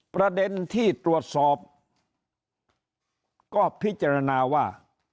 ประเด็นที่ตรวจสอบก็พิจารณาว่า